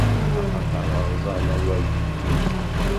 Axaṭer rẓan awal n Yillu.